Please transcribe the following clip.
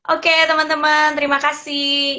oke teman teman terima kasih